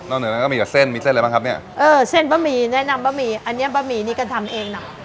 นอกจากนั้นก็มีแต่เส้นมีเส้นอะไรบ้างครับเนี่ยเออเส้นปะหมี่แนะนำปะหมี่อันนี้ปะหมี่นี่ก็ทำเองนะ